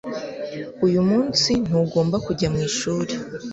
Uyu munsi ntugomba kujya mwishuri